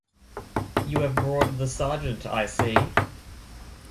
You have brought the sergeant, I see.